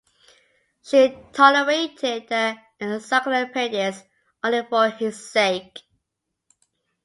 She tolerated the encyclopaedists only for his sake.